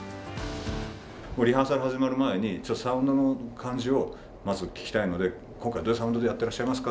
リハーサル始まる前にサウンドの感じをまず聴きたいので今回どういうサウンドでやってらっしゃいますか？